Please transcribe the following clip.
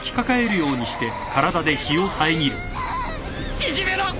縮めろ！